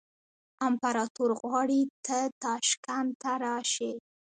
امپراطور غواړي ته تاشکند ته راشې.